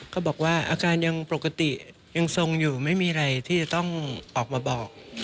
เขาบอกว่าอาการยังปกติยังทรงอยู่ไม่มีอะไรที่จะต้องออกมาบอก